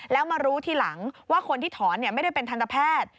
แล้วมารู้ทีหลังว่าคนที่ถอนไม่ได้เป็นทันตแพทย์